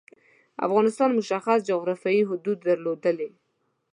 افغانستان مشخص جعرافیايی حدود درلودلي.